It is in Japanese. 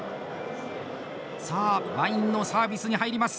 さあワインのサービスに入ります。